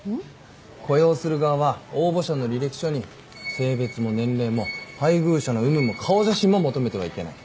雇用する側は応募者の履歴書に性別も年齢も配偶者の有無も顔写真も求めてはいけない。